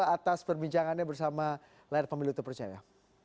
atas perbincangannya bersama layar pemilu terpercaya